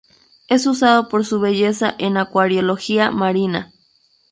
Es usado por su belleza en acuariología marina.